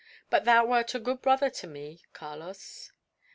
But thou wert a good brother to me, Carlos."